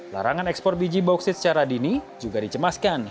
larangan ekspor biji bauksit secara dini juga dicemaskan